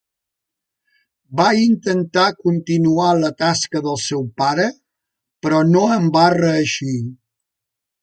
Va intentar continuar la tasca del seu pare però no en va reeixir.